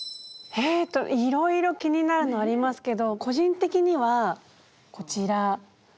えっといろいろ気になるのありますけど個人的にはこちら。